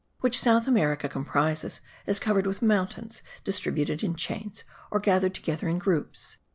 which South America comprises is covered with mountains distributed in chains or gathered together in groups.